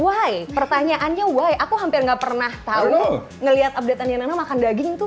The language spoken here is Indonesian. why pertanyaannya why aku hampir nggak pernah tahu ngelihat update an yang makan daging itu